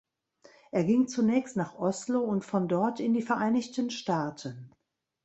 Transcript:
Er ging zunächst nach Oslo und von dort in die Vereinigten Staaten.